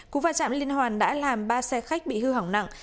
cú va chạm liên hoàn đã làm ba xe khách bị hư hỏng nặng